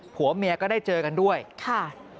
ผัวเมียก็ได้เจอกันด้วยค่ะ